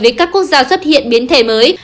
với các quốc gia xuất hiện biến thể mới